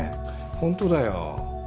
本当だよ。